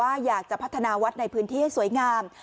อยากจะพัฒนาวัดในพื้นที่ให้สวยงาม